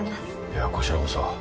いやこちらこそ。